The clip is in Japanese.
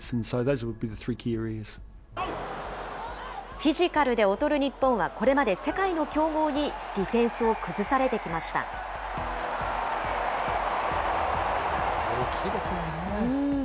フィジカルで劣る日本はこれまで世界の強豪にディフェンスを大きいですもんね。